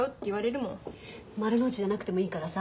丸の内じゃなくてもいいからさ